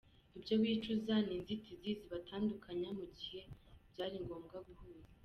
Ibyo wicuza ni inzitizi zibatandukanya, mu gihe byari ngombwa guhuza.